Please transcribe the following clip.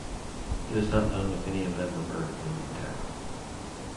It is not known if any of them were murdered in the attack.